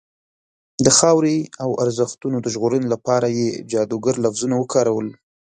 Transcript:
د خاورې او ارزښتونو د ژغورنې لپاره یې جادوګر لفظونه وکارول.